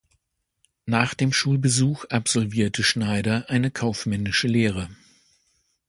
Nach dem Schulbesuch absolvierte Schneider eine kaufmännische Lehre.